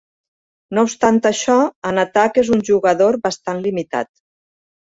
No obstant això, en atac és un jugador bastant limitat.